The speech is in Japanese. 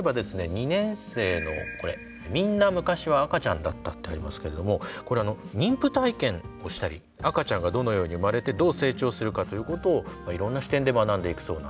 ２年生のこれ「みんなむかしは赤ちゃんだった」ってありますけれどもこれ妊婦体験をしたり赤ちゃんがどのように生まれてどう成長するかということをいろんな視点で学んでいくそうなんですね。